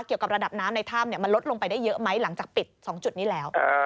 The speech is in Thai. เกี่ยวกับระดับน้ำในถ้ำมันลดลงไปได้เยอะไหมหลังจากปิด๒จุดนี้แล้ว